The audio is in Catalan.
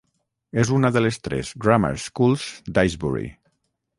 És una de les tres "grammar schools" d'Aysbury.